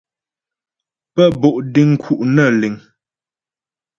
Bə́́ bo' deŋ nku' nə́ liŋ.